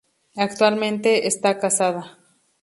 Actualmente está casada.